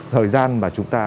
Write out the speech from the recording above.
thời gian mà chúng ta